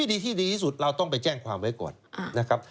ดีที่ดีที่สุดเราต้องไปแจ้งความไว้ก่อนนะครับ